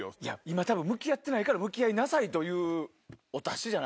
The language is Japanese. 今向き合ってないから向き合いなさい！というお達し。